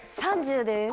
３０です。